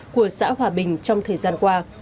của xã hòa bình trong thời gian qua